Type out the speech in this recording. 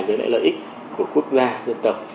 với lại lợi ích của quốc gia dân tộc